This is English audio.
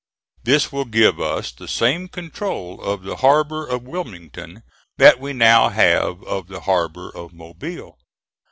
This will give us the same control of the harbor of Wilmington that we now have of the harbor of Mobile.